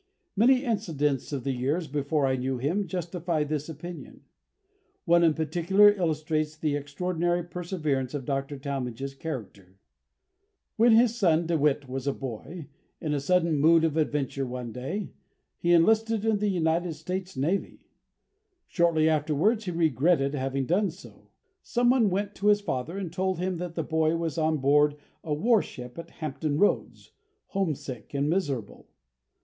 Many incidents of the years before I knew him justify this opinion. One in particular illustrates the extraordinary perseverance of Dr. Talmage's character. When his son DeWitt was a boy, in a sudden mood of adventure one day, he enlisted in the United States Navy. Shortly afterwards he regretted having done so. Some one went to his father and told him that the boy was on board a warship at Hampton Roads, homesick and miserable.